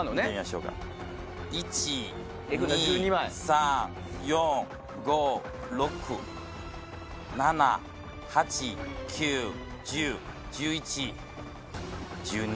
３・４・５・６７・８・９・１０・１１１２。